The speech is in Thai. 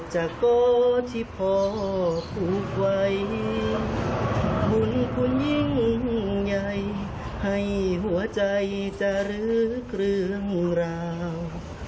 หุ่นคุณยิ่งใหญ่ให้หัวใจจะลื้อเครื่องราว